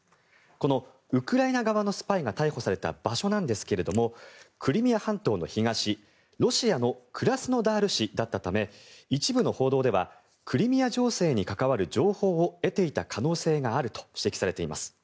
このウクライナ側のスパイが逮捕された場所なんですがクリミア半島の東、ロシアのクラスノダール市だったため一部の報道ではクリミア情勢に関わる情報を得ていた可能性があると指摘されています。